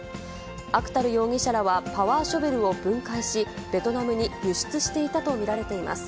アクタル容疑者らはパワーショベルを分解し、ベトナムに輸出していたと見られています。